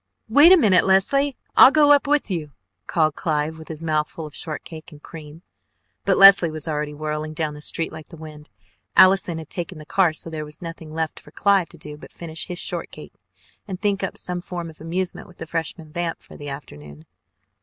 "Wait a minute, Leslie, I'll go up with you," called Clive with his mouth full of shortcake and cream, but Leslie was already whirling down the street like the wind. Allison had taken the car, so there was nothing left for Clive to do but finish his shortcake and think up some form of amusement with the Freshman vamp for the afternoon.